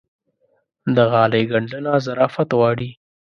د غالۍ ګنډنه ظرافت غواړي.